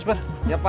hai masak mas berapa